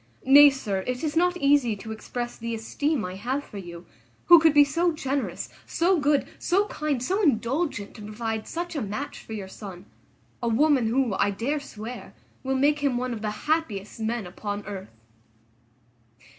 Nay, sir, it is not easy to express the esteem I have for you; who could be so generous, so good, so kind, so indulgent to provide such a match for your son; a woman, who, I dare swear, will make him one of the happiest men upon earth."